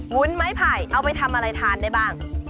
วุ้นไม้ไผ่เอาไปทำอะไรทานได้บ้าง